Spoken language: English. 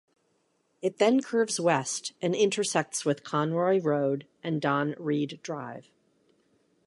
It then curves west and intersects with Conroy Road and Don Reid Drive.